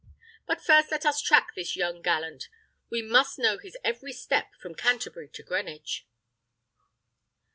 But first let us track this young gallant; we must know his every step from Canterbury to Greenwich."